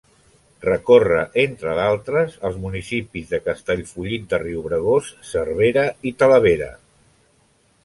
Recorre, entre d'altres, els municipis de Castellfollit de Riubregós, Cervera i Talavera.